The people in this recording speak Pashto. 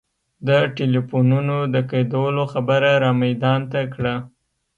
د ټلفونونو د قیدولو خبره را میدان ته کړه.